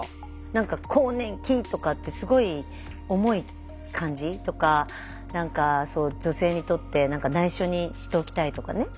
何か「更年期」とかってすごい重い感じとか何か女性にとってないしょにしておきたいとかね。